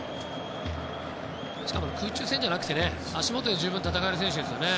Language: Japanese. しかも空中戦じゃなくて足元で十分戦える選手ですよね。